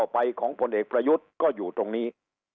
ไปของพลเอกประยุทธ์ก็อยู่ตรงนี้